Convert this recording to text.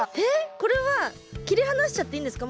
これは切り離しちゃっていいんですか？